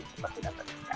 itu pasti dapat